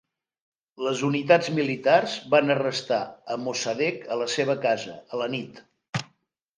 Les unitats militars van arrestar a Mossadeq a la seva casa a la nit.